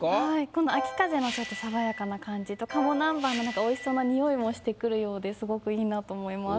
この「秋風」のちょっと爽やかな感じと鴨南蛮のなんか美味しそうな匂いもしてくるようですごくいいなと思います。